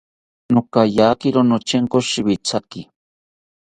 Nokayakiro notyenko shiwithaki